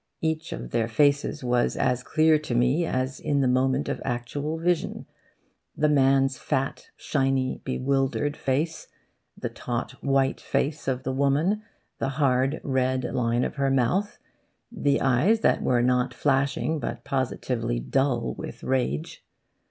Each of their faces was as clear to me as in the moment of actual vision the man's fat shiny bewildered face; the taut white face of the woman, the hard red line of her mouth, the eyes that were not flashing, but positively dull, with rage.